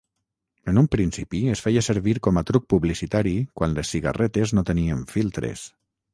En un principi es feia servir com a truc publicitari quan les cigarretes no tenien filtres.